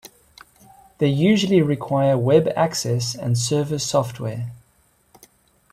They usually require web access and server software.